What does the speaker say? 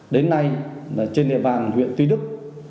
đến nay trên địa bàn huyện tuy đức